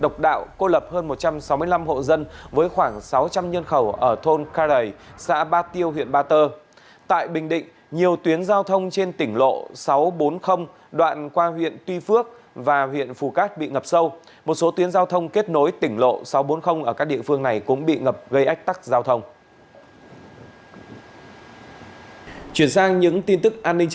chuyển sang những tin tức an ninh trật tự